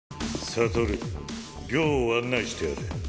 悟寮を案内してやれ。